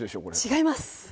違います。